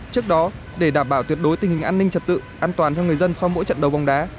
trước đó để đảm bảo tuyệt đối tình hình an ninh trật tự an toàn cho người dân sau mỗi trận đấu bóng đá